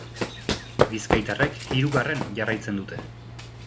Bizkaitarrek hirugarren jarraitzen dute.